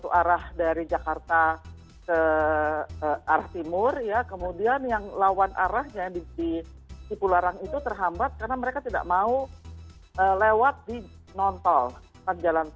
itu tidak diminati dan diminatinya kita bisa lihat ketika jalan satu arah dari jakarta ke arah timur kemudian yang lawan arahnya di pulau arang itu terhambat karena mereka tidak mau lewat di non tol